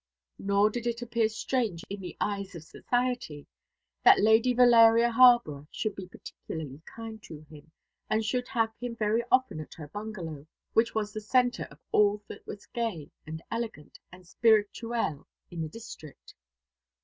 Nor did it appear strange in the eyes of society that Lady Valeria Harborough should be particularly kind to him, and should have him very often at her bungalow, which was the centre of all that was gay, and elegant, and spirituel in the district.